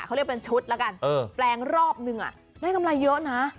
เขาเรียกเป็นชุดแล้วกันแปลงรอบนึงได้กำไรเยอะนะ